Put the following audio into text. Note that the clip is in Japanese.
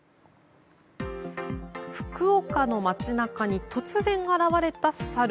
福岡の街中に突然現れたサル。